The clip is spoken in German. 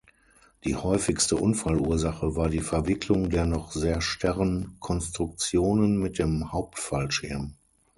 Die häufigste Unfallursache war die Verwicklung der noch sehr starren Konstruktionen mit dem Hauptfallschirm.